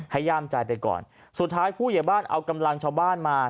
ย่ามใจไปก่อนสุดท้ายผู้ใหญ่บ้านเอากำลังชาวบ้านมา